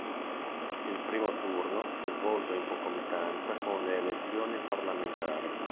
Il primo turno si è svolto in concomitanza con le elezioni parlamentari.